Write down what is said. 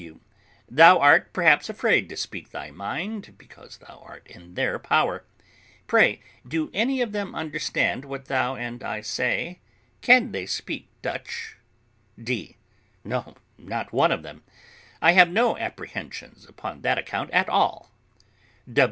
W. Thou art perhaps afraid to speak thy mind, because thou art in their power. Pray, do any of them understand what thou and I say? Can they speak Dutch? D. No, not one of them; I have no apprehensions upon that account at all.